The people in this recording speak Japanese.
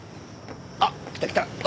あっ来た来た！